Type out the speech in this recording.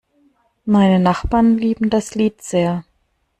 Meine Nachbarn lieben das Lied sehr.